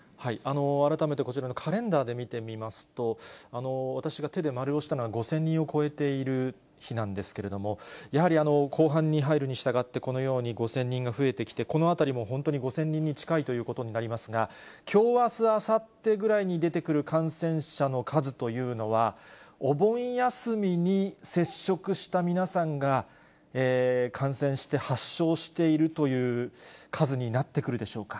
改めてこちらのカレンダーで見てみますと、私が手で丸をしたのは５０００人を超えている日なんですけれども、やはり後半に入るにしたがって、このように５０００人が増えてきて、このあたりも本当に５０００人に近いということになりますが、きょう、あす、あさってぐらいに出てくる感染者の数というのは、お盆休みに接触した皆さんが、感染して発症しているという数になってくるでしょうか。